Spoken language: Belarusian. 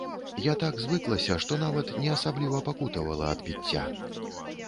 Я так звыклася, што нават не асабліва пакутавала ад біцця.